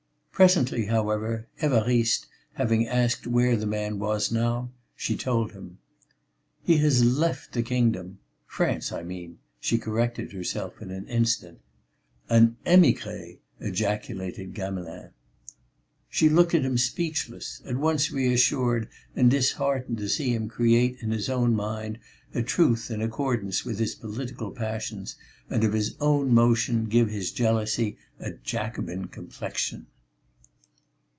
Presently, however, Évariste having asked where the man was now, she told him: "He has left the Kingdom France, I mean," she corrected herself in an instant. "An émigré!" ejaculated Gamelin. She looked at him, speechless, at once reassured and disheartened to see him create in his own mind a truth in accordance with his political passions and of his own motion give his jealousy a Jacobin complexion.